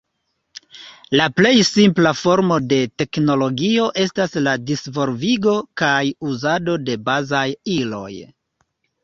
La plej simpla formo de teknologio estas la disvolvigo kaj uzado de bazaj iloj.